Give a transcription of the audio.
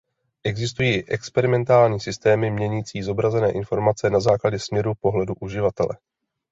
Existují i experimentální systémy měnící zobrazené informace na základě směru pohledu uživatele.